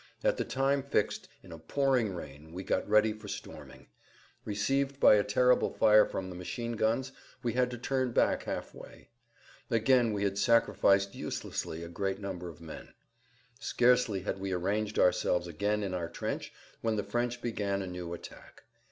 At the time fixed, in a pouring rain, we got ready for storming. Received by a terrible fire from the machine guns we had to turn back[Pg 92] half way. Again we had sacrificed uselessly a great number of men. Scarcely had we arranged ourselves again in our trench when the French began a new attack.